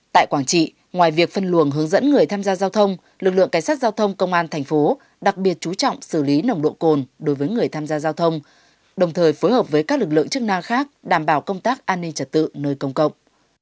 tại quảng trị ngoài việc phân luồng hướng dẫn người tham gia giao thông lực lượng cảnh sát giao thông công an thành phố đặc biệt chú trọng xử lý nồng độ cồn đối với người tham gia giao thông đồng thời phối hợp với các lực lượng chức năng khác đảm bảo công tác an ninh trật tự nơi công cộng